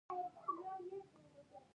د زیتون اچار هم جوړیږي.